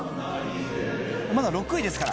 まだ６位ですから。